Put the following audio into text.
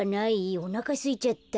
おなかすいちゃった。